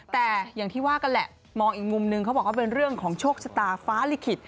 แต่อย่างที่ว่ากันแหละมองอีกมุมนึงเขาบอกว่าเป็นเรื่องของโชคชะตาฟ้าลิขิต